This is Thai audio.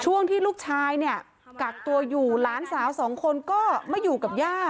ช่วงที่ลูกชายเนี่ยกักตัวอยู่หลานสาวสองคนก็ไม่อยู่กับย่า